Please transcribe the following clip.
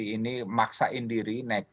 jadi tidak masuk akal kenapa nancy pelosi